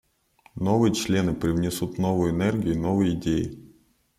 Новые члены привнесут новую энергию и новые идеи.